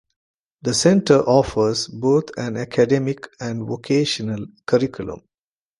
The Center offers both an academic and vocational curriculum.